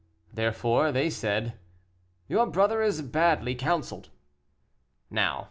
Therefore they said, "Your brother is badly counseled."